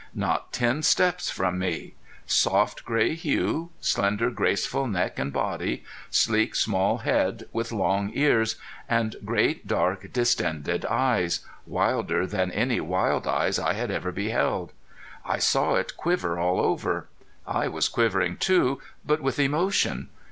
Not ten steps from me! Soft gray hue, slender graceful neck and body, sleek small head with long ears, and great dark distended eyes, wilder than any wild eyes I had ever beheld. I saw it quiver all over. I was quivering too, but with emotion.